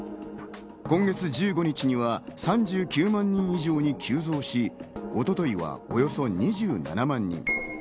今月１５日には３９万人以上に急増し、一昨日はおよそ２７万人。